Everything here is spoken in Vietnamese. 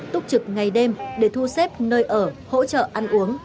túc trực ngày đêm để thu xếp nơi ở hỗ trợ ăn uống